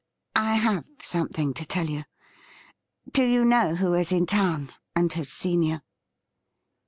' I have something to tell you. Do you know who is in town, and has seen you